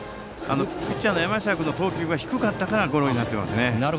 ピッチャーの山下君の投球が低かったからゴロになっていますね。